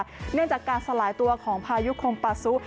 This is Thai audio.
เนื่องจากการสลายตัวของพายุคมปาซุ